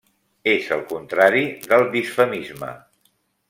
És el contrari del disfemisme.